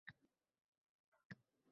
— Yasha! — dedi